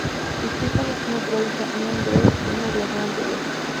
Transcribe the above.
Stephanie tiene otra hija, Mia Grace, de una relación anterior.